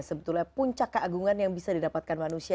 sebetulnya puncak keagungan yang bisa didapatkan manusia